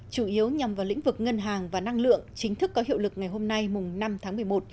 chủ yếu nhằm vào lĩnh vực ngân hàng và năng lượng chính thức có hiệu lực ngày hôm nay năm tháng một mươi một